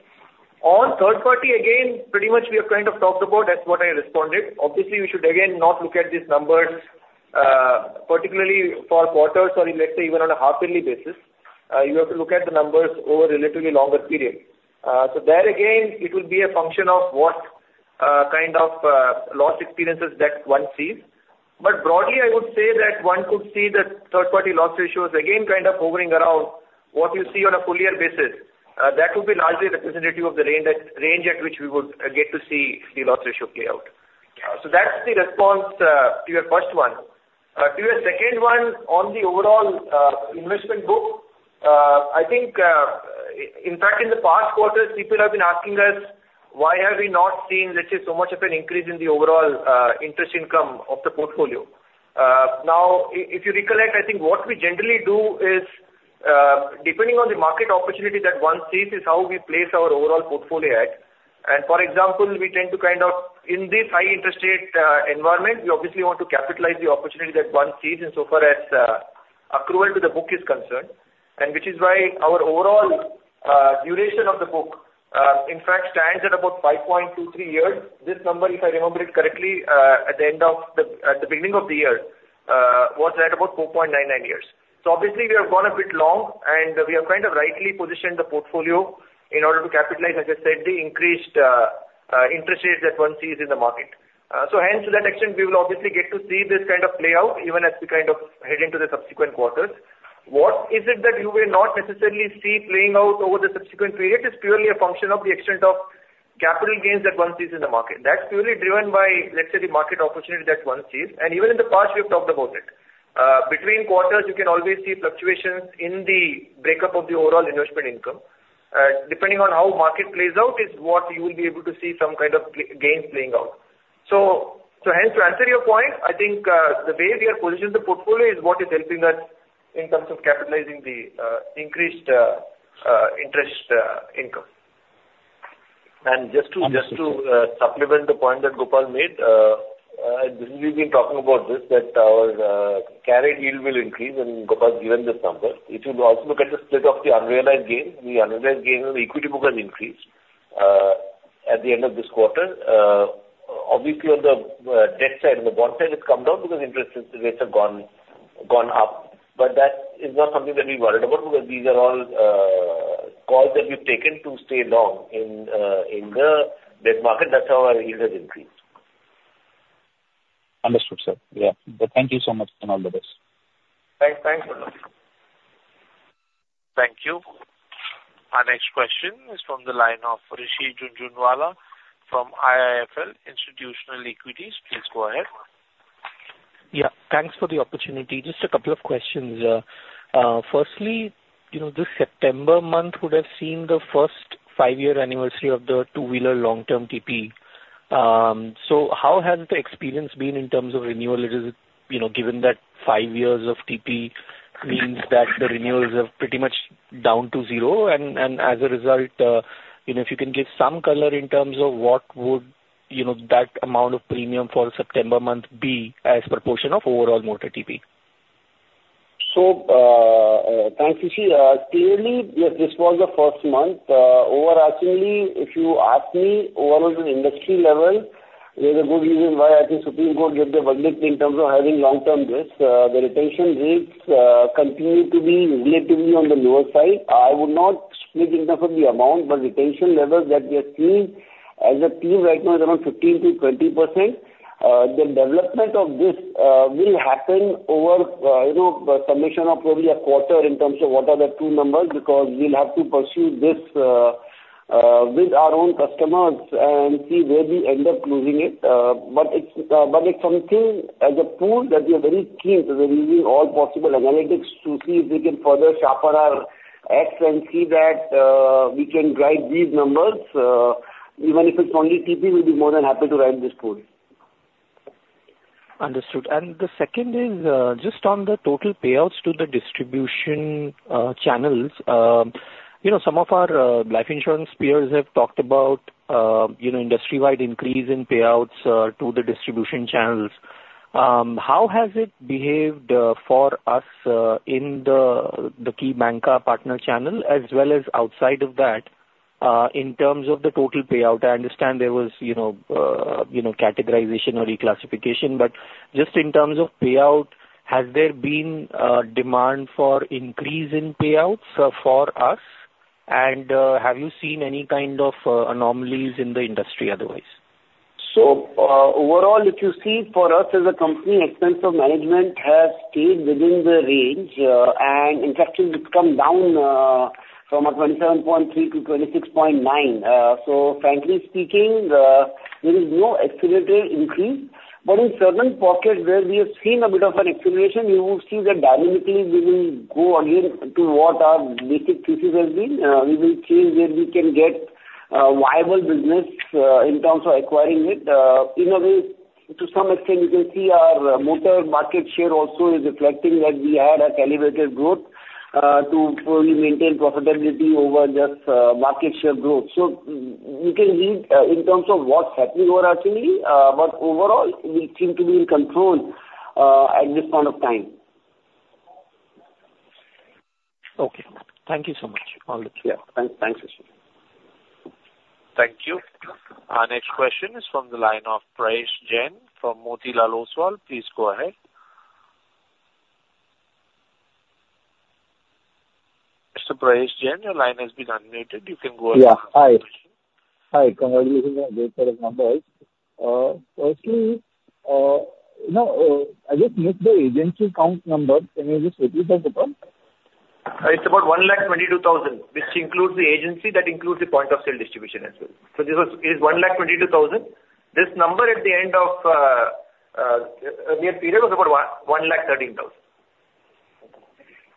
On third party, again, pretty much we have kind of talked about as what I responded. Obviously, we should again not look at these numbers particularly for quarters or let's say even on a half-yearly basis. You have to look at the numbers over a relatively longer period. So there again, it will be a function of what kind of loss experiences that one sees. But broadly, I would say that one could see that third-party loss ratios, again, kind of hovering around what you see on a full year basis. That would be largely representative of the range at which we would get to see the loss ratio play out. So that's the response to your first one. To your second one, on the overall investment book, I think, in fact, in the past quarters, people have been asking us, why have we not seen, let's say, so much of an increase in the overall interest income of the portfolio? Now, if you recollect, I think what we generally do is, depending on the market opportunity that one sees, is how we place our overall portfolio at. And for example, we tend to kind of in this high interest rate environment, we obviously want to capitalize the opportunity that one sees, insofar as accrual to the book is concerned, and which is why our overall duration of the book, in fact stands at about 5.23 years. This number, if I remember it correctly, at the beginning of the year, was at about 4.99 years. So obviously, we have gone a bit long, and we have kind of rightly positioned the portfolio in order to capitalize, like I said, the increased interest rates that one sees in the market. So hence, to that extent, we will obviously get to see this kind of play out, even as we kind of head into the subsequent quarters. What is it that you will not necessarily see playing out over the subsequent period is purely a function of the extent of capital gains that one sees in the market. That's purely driven by, let's say, the market opportunity that one sees, and even in the past, we have talked about it. Between quarters, you can always see fluctuations in the breakup of the overall investment income. Depending on how market plays out, is what you will be able to see some kind of gains playing out. So hence, to answer your point, I think, the way we have positioned the portfolio is what is helping us in terms of capitalizing the increased interest income. And just to supplement the point that Gopal made, we've been talking about this, that our carried yield will increase, and Gopal has given this number. If you also look at the split of the unrealized gain, the unrealized gain on the equity book has increased at the end of this quarter. Obviously, on the debt side and the bond side, it's come down because interest rates have gone up. But that is not something that we worried about, because these are all calls that we've taken to stay long in the debt market. That's how our yield has increased. Understood, sir. Yeah. But thank you so much, and all the best. Thanks. Thanks a lot. Thank you. Our next question is from the line of Rishi Jhunjhunwala from IIFL Institutional Equities. Please go ahead. Yeah, thanks for the opportunity. Just a couple of questions. Firstly, you know, this September month would have seen the first five-year anniversary of the two-wheeler long-term TP. So how has the experience been in terms of renewal? It is, you know, given that five years of TP means that the renewals are pretty much down to zero. As a result, you know, if you can give some color in terms of what would, you know, that amount of premium for September month be as proportion of overall Motor TP. So, thanks, Rishi. Clearly, yes, this was the first month. Overarchingly, if you ask me, overall at an industry level, there are good reasons why I think Supreme Court gave their verdict in terms of having long-term risk. The retention rates continue to be relatively on the lower side. I would not speak in terms of the amount, but retention levels that we are seeing as a team right now is around 15%-20%. The development of this will happen over, you know, submission of probably a quarter in terms of what are the two numbers, because we'll have to pursue this with our own customers and see where we end up closing it. But it's something as a tool that we are very keen to be using all possible analytics to see if we can further sharpen our edge and see that we can drive these numbers. Even if it's only TP, we'll be more than happy to ride this tool. Understood. And the second is, just on the total payouts to the distribution channels. You know, some of our life insurance peers have talked about, you know, industry-wide increase in payouts to the distribution channels. How has it behaved for us in the key Banca partner channel, as well as outside of that, in terms of the total payout? I understand there was, you know, categorization or reclassification, but just in terms of payout, has there been demand for increase in payouts for us? And have you seen any kind of anomalies in the industry otherwise? So, overall, if you see for us as a company, expense of management has stayed within the range, and in fact it's come down, from a 27.3 to 26.9. So frankly speaking, there is no accelerated increase. But in certain pockets where we have seen a bit of an acceleration, you will see that dynamically we will go again to what our basic thesis has been. We will change where we can get, viable business, in terms of acquiring it. In a way, to some extent, you can see our Motor market share also is reflecting that we had a calibrated growth, to fully maintain profitability over just, market share growth. So you can read, in terms of what's happening overarchingly, but overall, we seem to be in control, at this point of time. Okay. Thank you so much. All the best. Yeah. Thanks, Rishi. Thank you. Our next question is from the line of Prayesh Jain from Motilal Oswal. Please go ahead. Mr. Prayesh Jain, your line has been unmuted. You can go ahead. Yeah. Hi. Hi, good evening, and a great set of numbers. Firstly, you know, I just missed the agency count number. Can you just repeat that, Gopal? It's about 122,000, which includes the agency, that includes the point of sale distribution as well. So this was, it is 122,000. This number at the end of year period was about 113,000.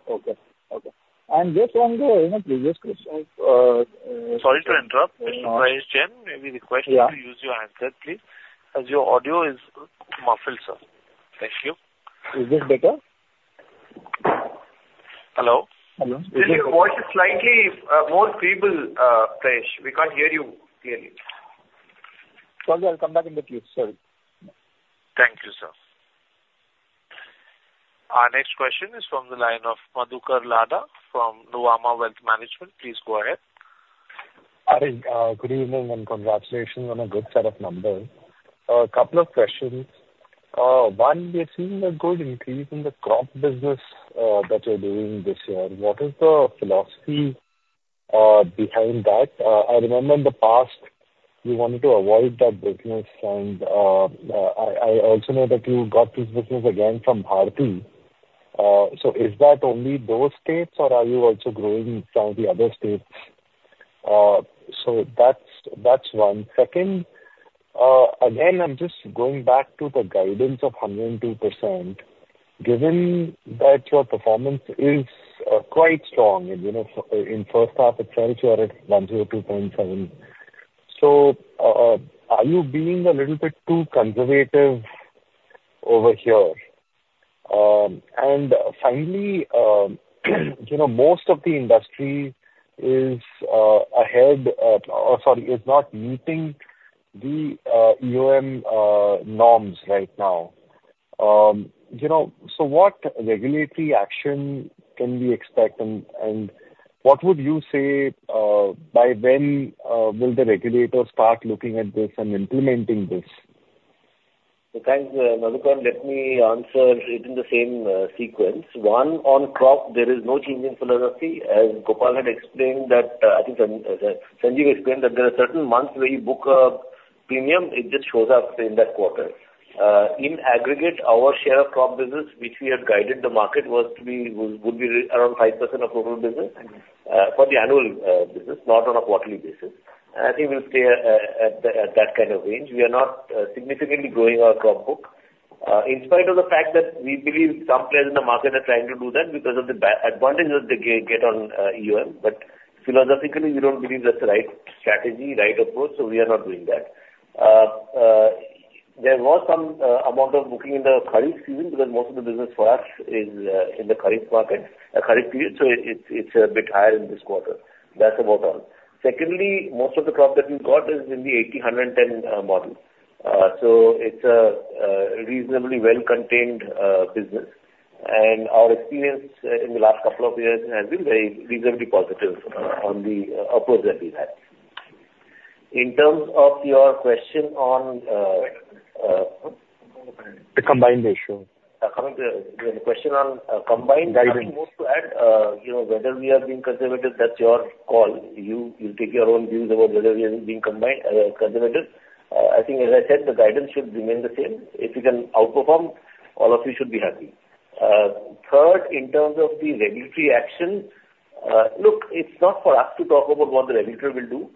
Okay. Okay. And just on the, you know, previous question. Sorry to interrupt, Mr. Prayesh Jain. May we request you to use your handset, please, as your audio is muffled, sir. Thank you. Is this better? Hello? Hello. Your voice is slightly more feeble, Prayesh. We can't hear you clearly. Sorry, I'll come back in the queue. Sorry. Thank you, sir. Our next question is from the line of Madhukar Ladha from Nuvama Wealth Management. Please go ahead. Hi, good evening, and congratulations on a good set of numbers. A couple of questions. One, we are seeing a good increase in the crop business that you're doing this year. What is the philosophy behind that? I remember in the past, you wanted to avoid that business, and I also know that you got this business again from Bharti. So is that only those states, or are you also growing in some of the other states? So that's one. Second, again, I'm just going back to the guidance of 102%, given that your performance is quite strong, and, you know, in first half itself you are at 102.7%. So, are you being a little bit too conservative over here? Finally, you know, most of the industry is not meeting the norms right now. You know, so what regulatory action can we expect, and what would you say by when will the regulator start looking at this and implementing this? So thanks, Madhukar. Let me answer it in the same sequence. One, on crop, there is no change in philosophy. As Gopal had explained that, I think, Sanjeev explained that there are certain months where you book a premium, it just shows up in that quarter. In aggregate, our share of crop business, which we had guided the market, was to be, was, would be around 5% of total business, for the annual business, not on a quarterly basis. I think we'll stay at that kind of range. We are not significantly growing our crop book, in spite of the fact that we believe some players in the market are trying to do that because of the advantages they get on EOM. But philosophically, we don't believe that's the right strategy, right approach, so we are not doing that. There was some amount of booking in the Kharif season, because most of the business for us is in the Kharif market, Kharif period, so it's a bit higher in this quarter. That's about all. Secondly, most of the crop that we've got is in the 80-110 model. So it's a reasonably well-contained business, and our experience in the last couple of years has been very reasonably positive on the approach that we've had. In terms of your question on- The combined ratio. Coming to the question on combined- Guidance. Nothing more to add. You know, whether we are being conservative, that's your call. You take your own views about whether we are being combined conservative. I think, as I said, the guidance should remain the same. If we can outperform, all of you should be happy. Third, in terms of the regulatory action, look, it's not for us to talk about what the regulator will do,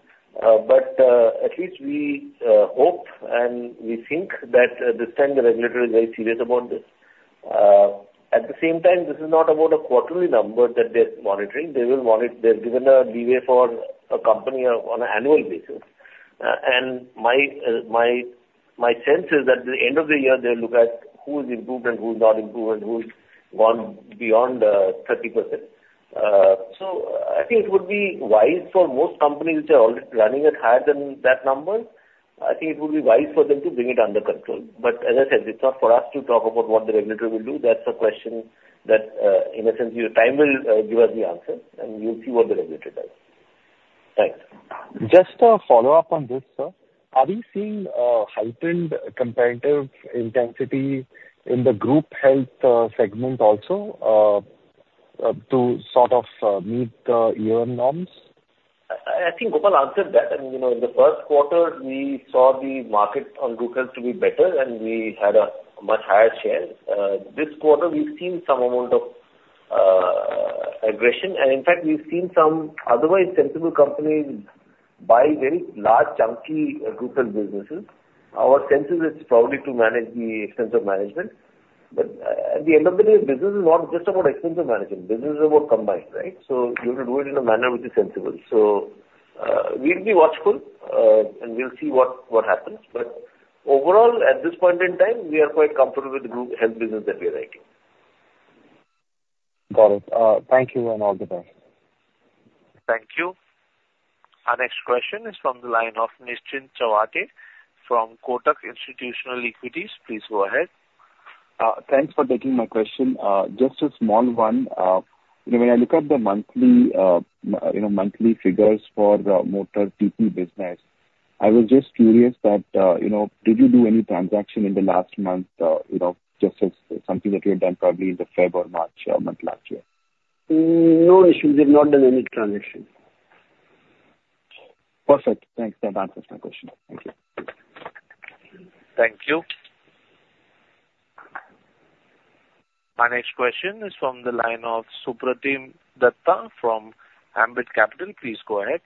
but at least we hope and we think that this time the regulator is very serious about this. At the same time, this is not about a quarterly number that they're monitoring. They will—they've given a leeway for a company on an annual basis. My sense is that at the end of the year, they'll look at who's improved and who's not improved and who's gone beyond 30%. So I think it would be wise for most companies which are already running at higher than that number. I think it would be wise for them to bring it under control. But as I said, it's not for us to talk about what the regulator will do. That's a question that, in essence, your time will give us the answer, and we'll see what the regulator does. Thanks. Just a follow-up on this, sir. Are we seeing a heightened competitive intensity in the group Health segment also, to sort of meet the EOM norms? I think Gopal answered that, and, you know, in the first quarter, we saw the market on group Health to be better, and we had a much higher share. This quarter we've seen some amount of aggression, and in fact, we've seen some otherwise sensible companies buy very large, chunky group Health businesses. Our sense is it's probably to manage the expense of management. But at the end of the day, business is not just about expense of management. Business is about combined, right? So you have to do it in a manner which is sensible. So we'll be watchful, and we'll see what happens. But overall, at this point in time, we are quite comfortable with the group Health business that we are making. Got it. Thank you, and all the best. Thank you. Our next question is from the line of Nischint Chawathe from Kotak Institutional Equities. Please go ahead. Thanks for taking my question. Just a small one. When I look at the monthly, you know, monthly figures for the Motor TP business, I was just curious that, you know, did you do any transaction in the last month, you know, just as something that you had done probably in the Feb or March, month last year? No, we should have not done any transaction. Perfect. Thanks. That answers my question. Thank you. Thank you. Our next question is from the line of Supratim Datta from Ambit Capital. Please go ahead.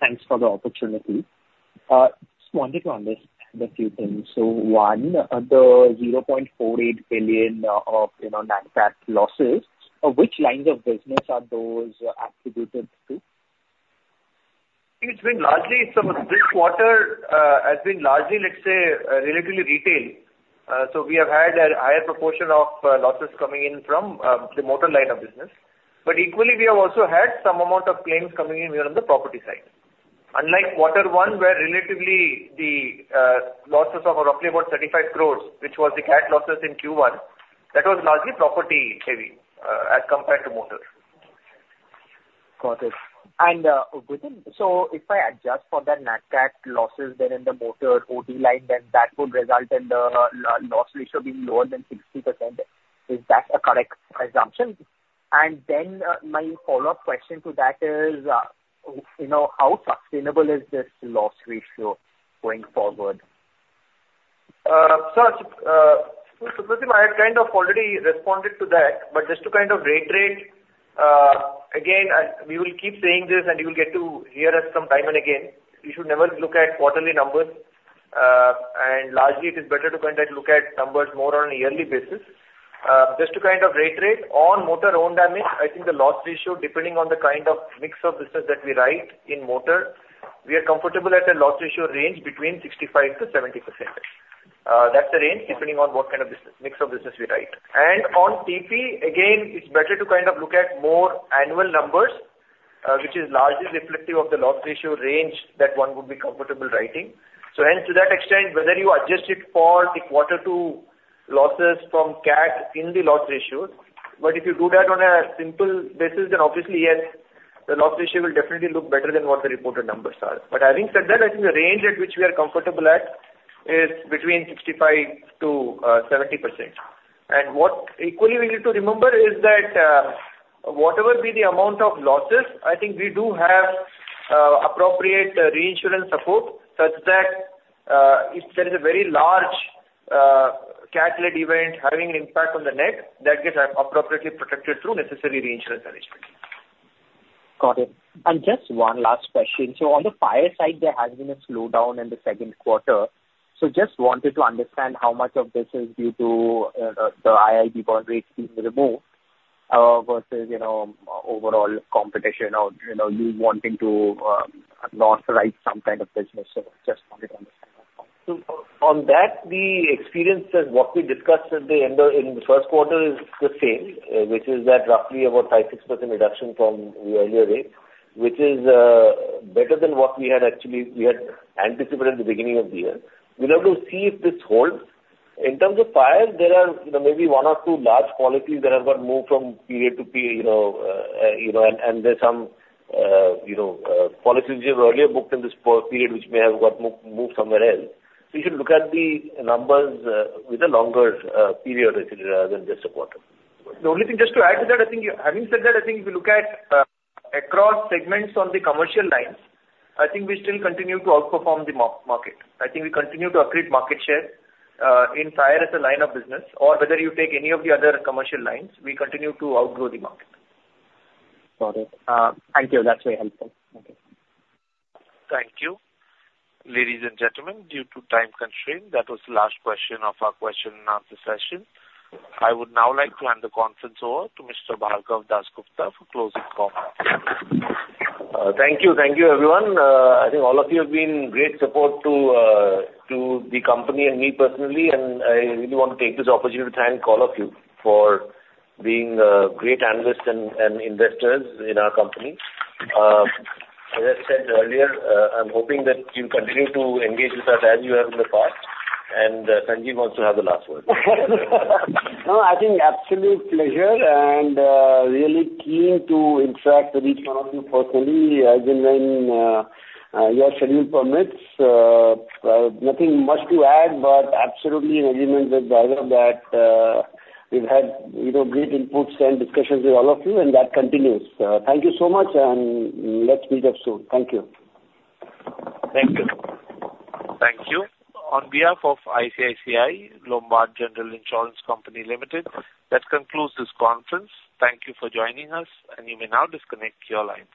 Thanks for the opportunity. Just wanted to understand a few things. So, one, the 0.48 billion of, you know, non-PAT losses, which lines of business are those attributed to? It's been largely... So this quarter has been largely, let's say, relatively retail. So we have had a higher proportion of losses coming in from the Motor line of business. But equally, we have also had some amount of claims coming in here on the property side. Unlike quarter one, where relatively the losses of roughly about 35 crore, which was the cat losses in Q1, that was largely property-heavy as compared to Motor. Got it. And, within, so if I adjust for the nat cat losses then in the Motor OD line, then that would result in the loss ratio being lower than 60%. Is that a correct assumption? And then, my follow-up question to that is, you know, how sustainable is this loss ratio going forward? So, Supratim, I had kind of already responded to that, but just to kind of reiterate, again, and we will keep saying this, and you will get to hear us some time and again, you should never look at quarterly numbers. Largely, it is better to kind of look at numbers more on a yearly basis. Just to kind of reiterate, on Motor own damage, I think the loss ratio, depending on the kind of mix of business that we write in Motor, we are comfortable at a loss ratio range between 65%-70%. That's the range, depending on what kind of business, mix of business we write. And on TP, again, it's better to kind of look at more annual numbers, which is largely reflective of the loss ratio range that one would be comfortable writing. So and to that extent, whether you adjust it for the quarter two losses from cat in the loss ratio, but if you do that on a simple basis, then obviously, yes, the loss ratio will definitely look better than what the reported numbers are. But having said that, I think the range at which we are comfortable at is between 65%-70%. And what equally we need to remember is that, whatever be the amount of losses, I think we do have, appropriate reinsurance support, such that, if there is a very large, cat-led event having an impact on the net, that gets appropriately protected through necessary reinsurance arrangements. Got it. Just one last question. On the fire side, there has been a slowdown in the second quarter. Just wanted to understand how much of this is due to the IIB burn rates being removed versus, you know, overall competition or, you know, you wanting to not write some kind of business. Just wanted to understand that. So on that, the experience that what we discussed at the end of in the first quarter is the same, which is that roughly about 5%-6% reduction from the earlier rate, which is better than what we had actually, we had anticipated at the beginning of the year. We'll have to see if this holds. In terms of fire, there are, you know, maybe one or two large policies that have got moved from PA to P, you know, you know, and, and there's some, you know, policies which were earlier booked in this period, which may have got moved somewhere else. We should look at the numbers with a longer period rather than just a quarter. The only thing just to add to that, I think having said that, I think if you look at across segments on the commercial lines, I think we still continue to outperform the market. I think we continue to accrete market share in fire as a line of business, or whether you take any of the other commercial lines, we continue to outgrow the market. Got it. Thank you. That's very helpful. Okay. Thank you. Ladies and gentlemen, due to time constraint, that was the last question of our question and answer session. I would now like to hand the conference over to Mr. Bhargav Dasgupta for closing comments. Thank you. Thank you, everyone. I think all of you have been great support to the company and me personally, and I really want to take this opportunity to thank all of you for being great analysts and investors in our company. As I said earlier, I'm hoping that you'll continue to engage with us as you have in the past. Sanjeev wants to have the last word. No, I think absolute pleasure and, really keen to interact with each one of you personally, as and when, your schedule permits. Nothing much to add, but absolutely in agreement with Bhargav that, we've had, you know, great inputs and discussions with all of you, and that continues. Thank you so much, and let's meet up soon. Thank you. Thank you. Thank you. On behalf of ICICI Lombard General Insurance Company Ltd, that concludes this conference. Thank you for joining us, and you may now disconnect your lines.